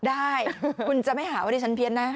ได้คุณจะไม่หาว่าดิฉันเพี้ยนนะ